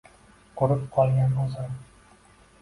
Qurib qolgan oʻzan